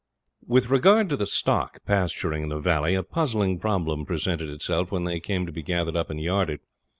With regard to the stock pasturing in the valley, a puzzling problem presented itself when they came to be gathered up and yarded.